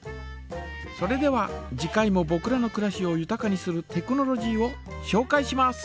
それでは次回もぼくらのくらしをゆたかにするテクノロジーをしょうかいします。